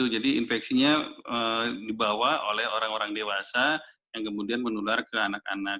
jadi infeksinya dibawa oleh orang orang dewasa yang kemudian menular ke anak anak